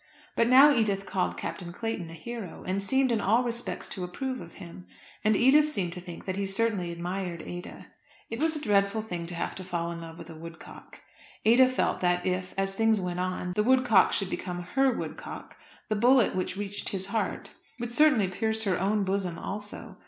But now Edith called Captain Clayton a hero, and seemed in all respects to approve of him; and Edith seemed to think that he certainly admired Ada. It was a dreadful thing to have to fall in love with a woodcock. Ada felt that if, as things went on, the woodcock should become her woodcock, the bullet which reached his heart would certainly pierce her own bosom also.